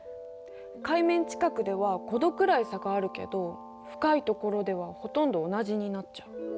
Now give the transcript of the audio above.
海面近くでは５℃くらい差があるけど深いところではほとんど同じになっちゃう。